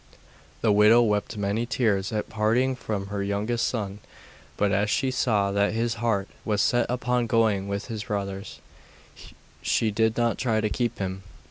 The widow wept many tears at parting from her youngest son, but as she saw that his heart was set upon going with his brothers, she did not try to keep him.